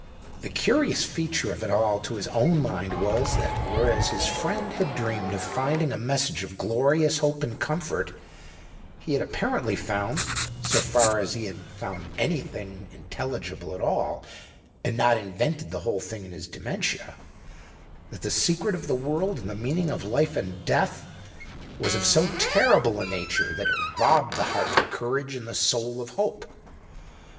The curious feature of it all to his own mind was, that whereas his friend had dreamed of finding a message of glorious hope and comfort, he had apparently found (so far as he had found anything intelligible at all, and not invented the whole thing in his dementia) that the secret of the world, and the meaning of life and death, was of so terrible a nature that it robbed the heart of courage and the soul of hope.